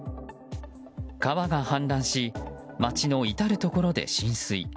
川が氾濫し街の至るところで浸水。